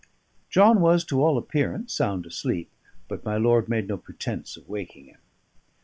John was, to all appearance, sound asleep, but my lord made no pretence of waking him.